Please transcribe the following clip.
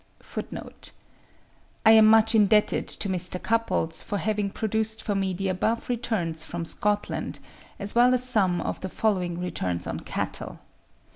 (59. I am much indebted to Mr. Cupples for having procured for me the above returns from Scotland, as well as some of the following returns on cattle.